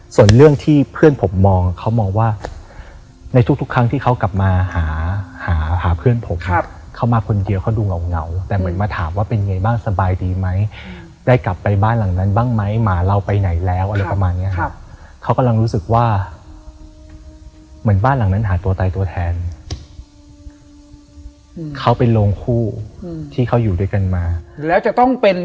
ส่วนเรื่องที่เพื่อนผมมองเขามองว่าในทุกทุกครั้งที่เขากลับมาหาหาเพื่อนผมเขามาคนเดียวเขาดูเหงาเหงาแต่เหมือนมาถามว่าเป็นไงบ้างสบายดีไหมได้กลับไปบ้านหลังนั้นบ้างไหมหมาเราไปไหนแล้วอะไรประมาณเนี้ยครับเขากำลังรู้สึกว่าเหมือนบ้านหลังนั้นหาตัวตายตัวแทนเขาเป็นโรงคู่ที่เขาอยู่ด้วยกันมาแล้วจะต้องเป็น